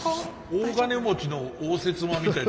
大金持ちの応接間みたいに。